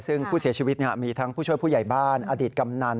ซึ่งผู้เสียชีวิตมีทั้งผู้ช่วยผู้ใหญ่บ้านอดีตกำนัน